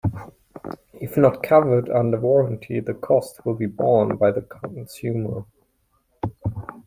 If not covered under warranty, the costs will be borne by the consumer.